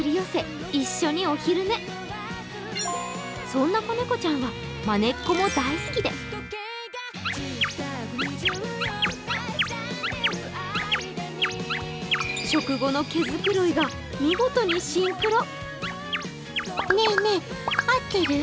そんな子猫ちゃんはまねっこも大好きで食後の毛繕いが見事にシンクロ。